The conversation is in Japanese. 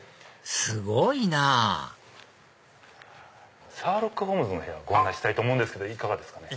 すごいなぁシャーロック・ホームズの部屋ご案内したいと思うんですけどいかがですかね？